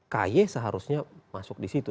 kaye seharusnya masuk di situ